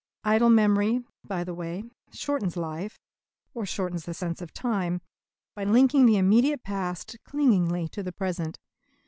Idle memory, by the way, shortens life, or shortens the sense of time, by linking the immediate past clingingly to the present.